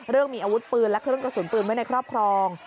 เรื่องมีอาวุธปืนและเครื่องกระสุนปืนไว้ในครอบครอง